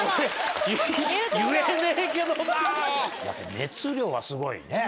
熱量がすごいね。